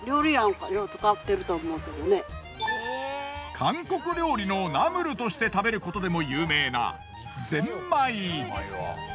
韓国料理のナムルとして食べることでも有名なゼンマイ。